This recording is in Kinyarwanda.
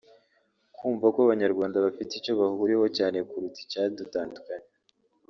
kumva ko abanyarwanda bafite icyo bahuriyeho cyane kuruta icyadutandukanya